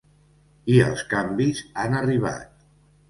I els canvis han arribat.